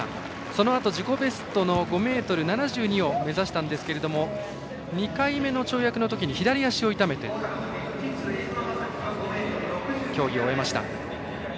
そのあと、自己ベストの５ｍ７２を目指したんですが２回目の跳躍のときに左足を痛めて競技を終えました。